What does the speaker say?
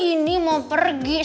ini mau pergi sekolah